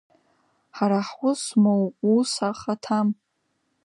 Ҳара ҳус моу уус ахаҭам!